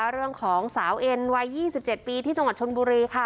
เรื่องของสาวเอ็นวายยี่สิบเจ็ดปีที่จังหวัดชนบุรีค่ะ